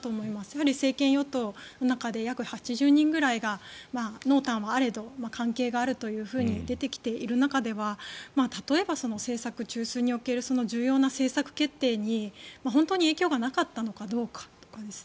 やはり政権与党の中で約８０人ぐらいが、濃淡はあれど関係があるというふうに出てきている中では例えば、政策中枢におけるその重要な政策決定に本当に影響がなかったのかどうかとか。